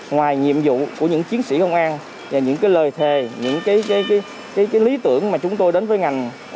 ngoài nhiệm vụ của những chiến sĩ công an những lời thề những lý tưởng mà chúng tôi đến với ngàn